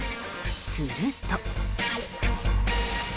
すると。